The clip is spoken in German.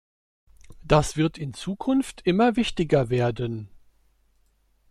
Das wird in Zukunft immer wichtiger werden.